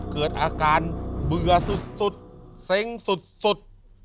เกิดอาการเบื่อสุดเซ้งสุด